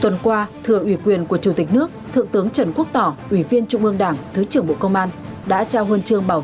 tuần qua thưa ủy quyền của chủ tịch nước thượng tướng trần quốc tỏ ủy viên trung ương đảng thứ trưởng bộ công an